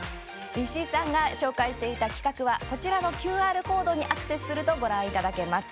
石井さんが紹介していた企画はこちらのＱＲコードにアクセスするとご覧いただけます。